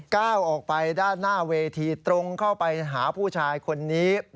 ก้าวออกไปด้านหน้าเวทีตรงเข้าไปหาผู้ชายคนนี้